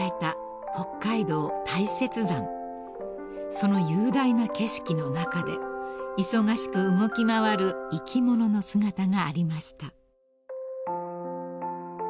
［その雄大な景色の中で忙しく動き回る生き物の姿がありました］